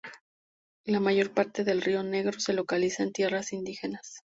La mayor parte del río Negro se localiza en tierras indígenas.